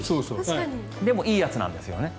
でもいいやつなんですよね。